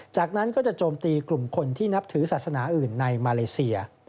จากนั้นก็จะโจมตีกลุ่มคนที่นับถือศาสนาอื่นในมาเลเซีย